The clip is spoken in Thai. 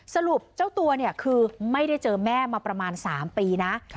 สรุปเจ้าตัวเนี่ยคือไม่ได้เจอแม่มาประมาณ๓ปีนะ